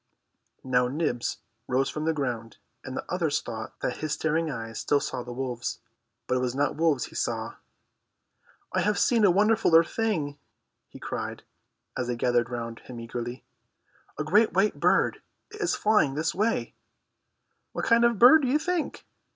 Now Nibs rose from the ground, and the others thought that his staring eyes still saw the wolves. But it was not wolves he saw. "I have seen a wonderfuller thing," he cried, as they gathered round him eagerly. "A great white bird. It is flying this way." "What kind of a bird, do you think?"